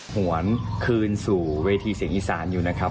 หวนคืนสู่เวทีเสียงอีสานอยู่นะครับ